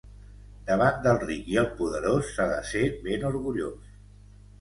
Davant del ric i el poderós, s'ha de ser ben orgullós.